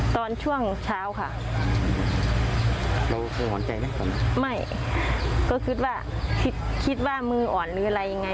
ตอนช่วงเช้าค่ะเราเคยหอนใจไหมไม่ก็คิดว่าคิดคิดว่ามืออ่อนหรืออะไรยังไง